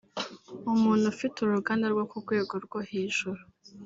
umuntu ufite uruganda rwo ku rwego rwo hejuru